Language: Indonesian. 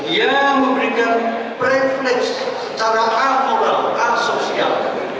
yang memberikan refleks secara akural asosial